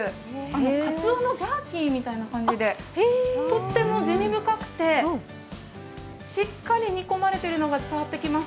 かつおのジャーキーみたいな感じでとっても滋味深くてしっかり煮込まれているのが伝わってきます。